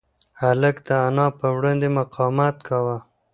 هلک د انا په وړاندې مقاومت کاوه.